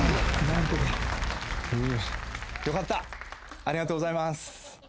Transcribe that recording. ありがとうございます。